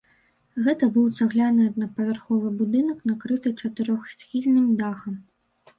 Гэта быў цагляны аднапавярховы будынак, накрыты чатырохсхільным дахам.